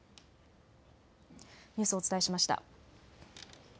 ニュースをお伝えしました。